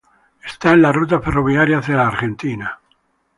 Está en la ruta ferroviaria hacia la Argentina.